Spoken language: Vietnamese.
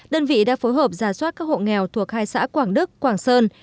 đơn vị đã phối hợp giả soát các hộ nghèo thuộc hai xã quảng đức quảng sơn